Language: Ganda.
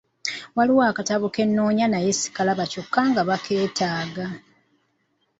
Waliwo akatabo ke nnoonya naye sikalaba kyokka nga bakeetaaga.